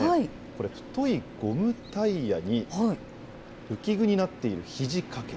これ、太いゴムタイヤに、浮き具になっているひじ掛け。